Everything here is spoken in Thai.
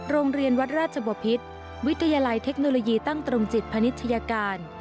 โรงเรียนวัดราชบพิษวิทยาลัยเทคโนโลยีตั้งตรงจิตพนิชยาการ